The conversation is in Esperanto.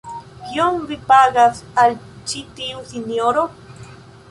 Kiom vi pagas al ĉi tiu sinjoro?